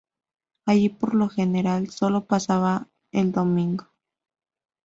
Allí por lo general sólo pasaban el domingo.